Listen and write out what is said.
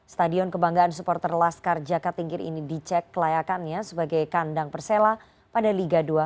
stadion kebanggaan supporter laskar jaka tingkir ini dicek kelayakannya sebagai kandang persela pada liga dua